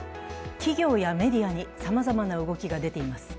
企業やメディアにさまざまな動きが出ています